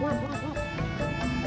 tidak tidak tidak